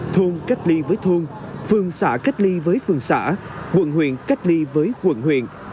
thuông cách ly với thuông phường xã cách ly với phường xã quận huyện cách ly với quận huyện